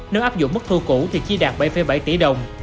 nếu áp dụng mức thu cũ thì chỉ đạt bảy bảy tỷ đồng